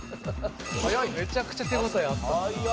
早いめちゃくちゃ手応えあったんだ